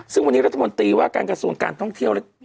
ซึ่งวันนี้รัฐมนตรีว่าการกระทรวงการท่องเที่ยวและ